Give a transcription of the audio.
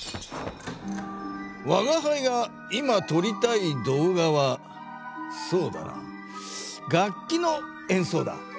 わがはいが今とりたい動画はそうだな楽器のえんそうだ。